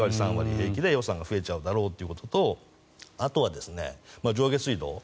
平気で予算が増えちゃうだろうということとあとは上下水道。